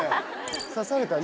刺されたね。